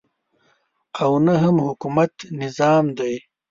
او نه هم حکومت نظام دی.